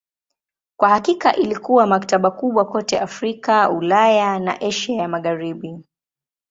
Kwa hakika ilikuwa maktaba kubwa kote Afrika, Ulaya na Asia ya Magharibi.